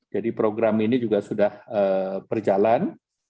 jadi program ini juga sudah berjalan